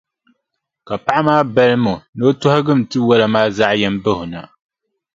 Ka paɣa maa balimi o ni o tɔhigim tiwala maa zaɣʼ yini bahi o na.